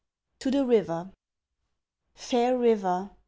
_TO THE RIVER _ Fair river!